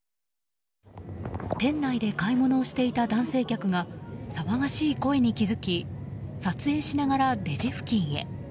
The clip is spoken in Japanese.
店内で買い物をしていた男性客が騒がしい声に気づき撮影しながらレジ付近へ。